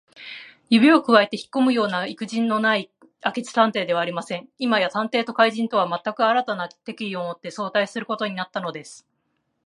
指をくわえてひっこむようないくじのない明智探偵ではありません。今や探偵と怪人とは、まったく新たな敵意をもって相対することになったのです。